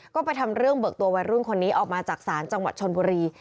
ก็ไปทำเรื่องเบิกตัววัยรุ่นคนนี้ออกมาจากศาลจังหวัดชนบุรี